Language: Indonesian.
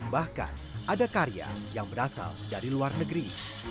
bahkan ada karya yang berasal dari luar negeri